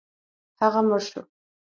هغه مړ شو.